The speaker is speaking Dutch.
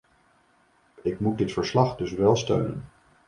Ik moet dit verslag dus wel steunen.